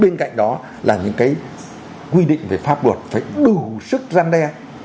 bên cạnh đó là những cái quy định về pháp luật phải đủ sức gian đe